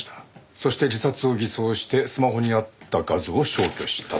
そして自殺を偽装してスマホにあった画像を消去したと。